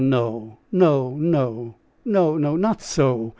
No, no! Not so!